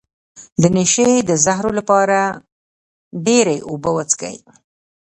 د نشې د زهرو لپاره ډیرې اوبه وڅښئ